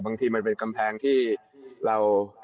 บางทีมันเป็นกำแพงที่เรา